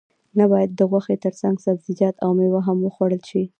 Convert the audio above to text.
نه باید د غوښې ترڅنګ سبزیجات او میوه هم وخوړل شي